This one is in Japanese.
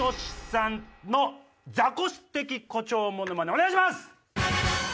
お願いします！